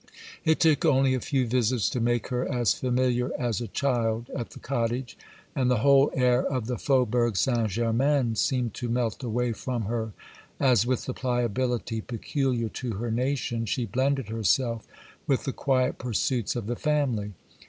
It took only a few visits to make her as familiar as a child at the cottage; and the whole air of the Faubourg St. Germain seemed to melt away from her, as, with the pliability peculiar to her nation, she blended herself with the quiet pursuits of the family.